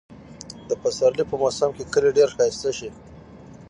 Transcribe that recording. د پسرلي په موسم کې کلى ډېر ښايسته شي.